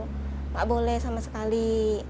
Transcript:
nggak boleh sama sekali